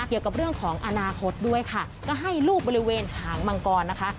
เกี่ยวกับเรื่องของอนาคตด้วยค่ะก็ให้ลูกบริเวณหางมังกรนะคะ